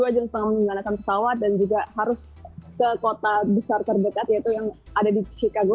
dua jam setengah menggunakan pesawat dan juga harus ke kota besar terdekat yaitu yang ada di chicago